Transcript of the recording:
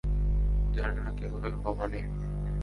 জানিনা কীভাবে, ভবানী।